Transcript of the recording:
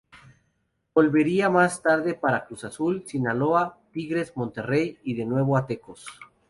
Volvería más adelante para Cruz Azul, Sinaloa, Tigres, Monterrey y de nuevo a Tecos.